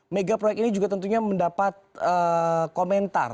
mega proyek ini juga tentunya mendapat komentar